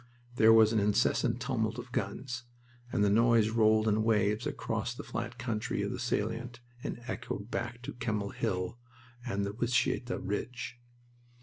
There was an incessant tumult of guns, and the noise rolled in waves across the flat country of the salient and echoed back from Kemmel Hill and the Wytschaete Ridge.